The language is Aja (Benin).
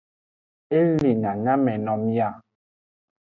E le nyanyameno mia.